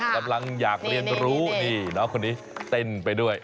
กำลังอยากเรียนรู้นี่น้องคนนี้เต้นไปด้วย